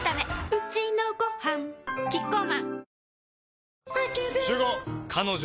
うちのごはんキッコーマン